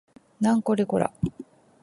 なんこれこら